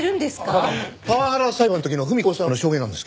ああパワハラ裁判の時の文子さんの証言なんですけどね。